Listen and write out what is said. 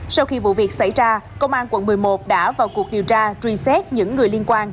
sau khi vụ việc xảy ra công an quận một mươi một đã vào cuộc điều tra truy xét những người liên quan